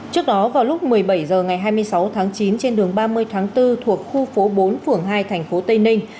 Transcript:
trước đó vào lúc một mươi bảy h ngày hai mươi sáu tháng chín trên đường ba mươi tháng bốn thuộc khu phố bốn phường hai thành phố tây ninh